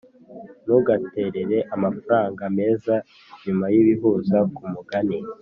ntugaterere amafaranga meza nyuma yibihuza kumugani